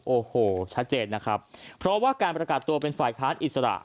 โอ้โหชัดเจนนะครับเพราะว่าการประกาศตัวเป็นฝ่ายค้านอิสระ